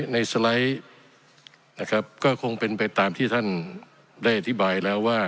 สไลด์นะครับก็คงเป็นไปตามที่ท่านได้อธิบายแล้วว่า